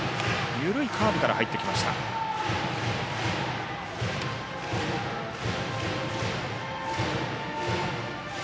緩いカーブから入ってきました、ボールです。